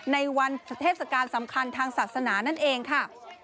ในวันเทศกาลสำคัญทางศาสนานั่นเองค่ะ